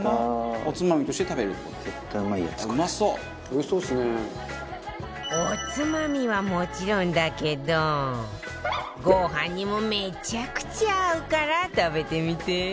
おつまみはもちろんだけどご飯にもめちゃくちゃ合うから食べてみて